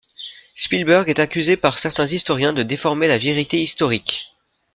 Spielberg est accusé par certains historiens de déformer la vérité historique.